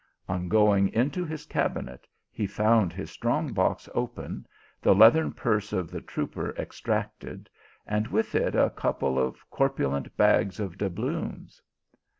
On going into his cabinet, he found his strong box open, the leathern purse of the trooper abstracted, and with it a couple of corpulent bags of doubloons.